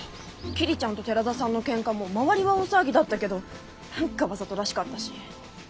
桐ちゃんと寺田さんのケンカも周りは大騒ぎだったけど何かわざとらしかったし。